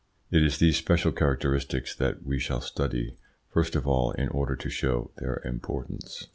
It is these special characteristics that we shall study, first of all, in order to show their importance.